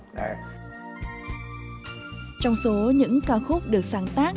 trong số những ca khúc được sáng tác